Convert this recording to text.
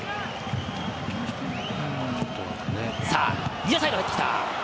ニアサイド入ってきた。